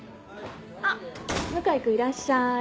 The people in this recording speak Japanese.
あっ向井君いらっしゃい。